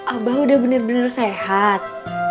abah udah bener bener sehat